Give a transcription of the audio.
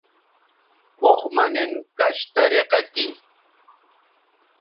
اوخ مہ نِن کش طریقہ تھی